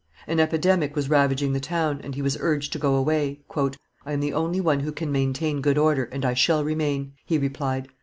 An epidemic was ravaging the town, and he was urged to go away. "I am the only one who can maintain good order, and I shall remain," he replied.